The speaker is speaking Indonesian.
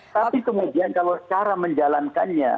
tapi kemudian kalau cara menjalankannya